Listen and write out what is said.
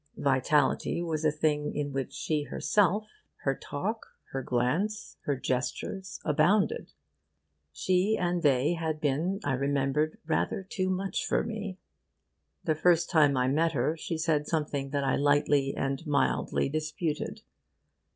Vitality was a thing in which she herself, her talk, her glance, her gestures, abounded. She and they had been, I remembered, rather too much for me. The first time I met her, she said something that I lightly and mildly disputed.